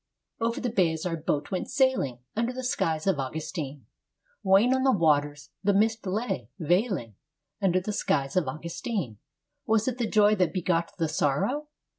V Over the bay as our boat went sailing Under the skies of Augustine, Wan on the waters the mist lay, veiling Under the skies of Augustine. Was it the joy that begot the sorrow?